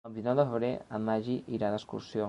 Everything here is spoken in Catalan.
El vint-i-nou de febrer en Magí irà d'excursió.